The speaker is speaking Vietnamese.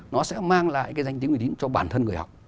nó sẽ mang lại cái danh tiếng uy tín cho bản thân người học